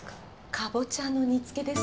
カボチャの煮つけです